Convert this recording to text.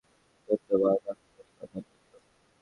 ধন্যবাদ, আক্ষরিকতার জন্য।